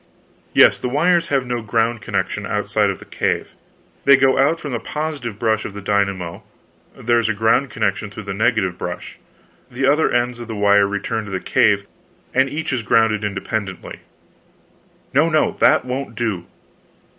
"Yes. The wires have no ground connection outside of the cave. They go out from the positive brush of the dynamo; there is a ground connection through the negative brush; the other ends of the wire return to the cave, and each is grounded independently." "No, no, that won't do!"